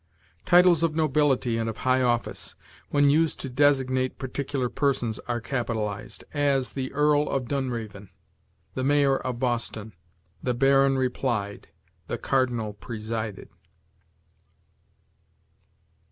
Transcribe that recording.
Titles of nobility and of high office, when used to designate particular persons, are capitalized; as, the Earl of Dunraven, the Mayor of Boston, the Baron replied, the Cardinal presided.